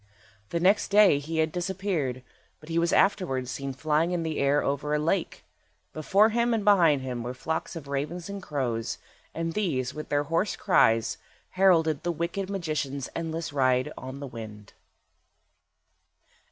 The next day he had disappeared, but he was afterwards seen flying in the air over a lake. Before him and behind him were flocks of ravens and crows, and these, with their hoarse cries, heralded the wicked magician's endless ride on the wind.